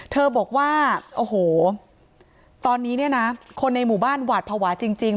เธอบอกว่าโอ้โหตอนนี้เนี่ยนะคนในหมู่บ้านหวาดภาวะจริง